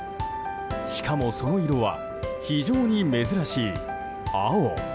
しかもその色は非常に珍しい青。